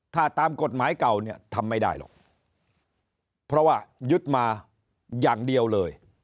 ถ้าตามกฎหมายเก่าเนี่ยทำไม่ได้หรอกเพราะว่ายึดมาอย่างเดียวเลย